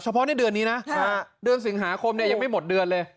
เพราะในเดือนนี้นะเดือนสิงหาคมยังไม่หมดเดือนเลย